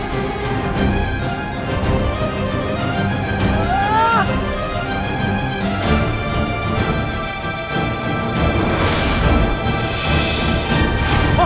kampung kita segera aman